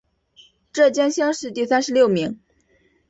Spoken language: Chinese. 浙江乡试第三十六名。